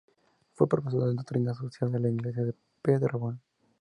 Fue profesor de Doctrina social de la Iglesia en Paderborn.